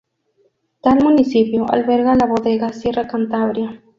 Tal municipio alberga la bodega Sierra Cantabria.